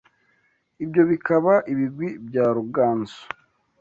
ibyo bikaba ibigwi bya Ruganzu